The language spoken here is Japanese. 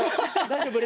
大丈夫？